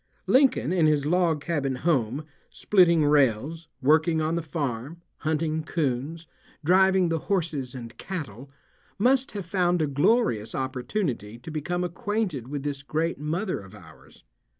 Lincoln in his log cabin home, splitting rails, working on the farm, hunting coons, driving the horses and cattle, must have found a glorious opportunity to become acquainted with this great mother of ours.